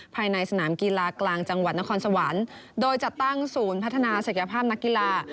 ภายในสนามกีฬากลางจังหวัดนครสวรรค์โดยจัดตั้งศูนย์พัฒนาศักยภาพนักกีฬา